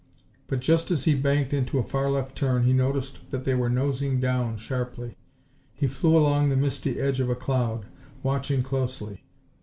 But just as he banked into a left turn he noticed that they were nosing down, sharply. He flew along the misty edge of a cloud, watching closely.